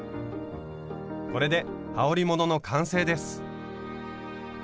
これではおりものの完成です。